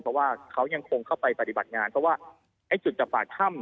เพราะว่าเขายังคงเข้าไปปฏิบัติงานเพราะว่าไอ้จุดจากปากถ้ำ